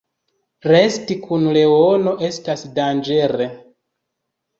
Resti kun leono estas danĝere.